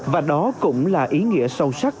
và đó cũng là ý nghĩa sâu sắc